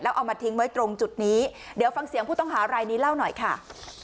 เอามาทิ้งไว้ตรงจุดนี้เดี๋ยวฟังเสียงผู้ต้องหารายนี้เล่าหน่อยค่ะ